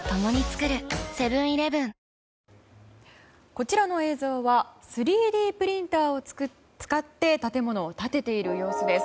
こちらの映像は３Ｄプリンターを使って建物を建てている様子です。